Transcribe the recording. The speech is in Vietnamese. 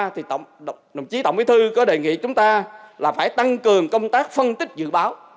thì đồng chí tổng bí thư có đề nghị chúng ta là phải tăng cường công tác phân tích dự báo